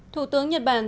thủ tướng nhật bản